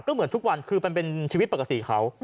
ก็เหมือนทุกวันคือมันเป็นชีวิตปกติเขา